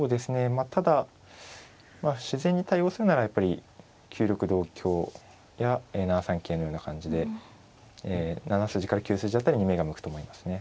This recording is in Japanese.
まあただ自然に対応するならやっぱり９六同香や７三桂のような感じで７筋から９筋辺りに目が向くと思いますね。